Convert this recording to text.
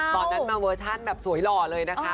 ตอนนั้นมาเวอร์ชั่นแบบสวยหล่อเลยนะคะ